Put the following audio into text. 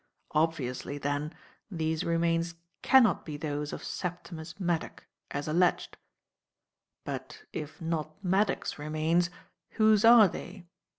Obviously, then, these remains cannot be those of Septimus Maddock, as alleged. "But, if not Maddock's remains, whose are they?